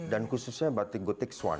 dan khususnya batik gotik swan